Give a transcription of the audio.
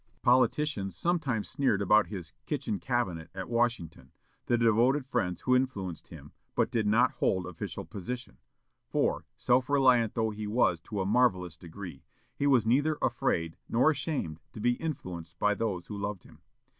Politicians sometimes sneered about his "kitchen cabinet" at Washington, the devoted friends who influenced him but did not hold official position, for, self reliant though he was to a marvellous degree, he was neither afraid nor ashamed to be influenced by those who loved him.